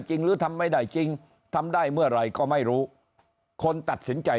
หรือทำไม่ได้จริงทำได้เมื่อไหร่ก็ไม่รู้คนตัดสินใจ